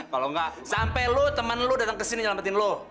kalau nggak sampai lu temen lu datang kesini nyelamatin lu